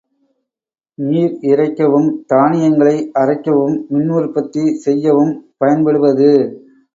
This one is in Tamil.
நீர் இறைக்கவும் தானியங்களை அறைக்கவும் மின் உற்பத்தி செய்யவும் பயன்படுவது.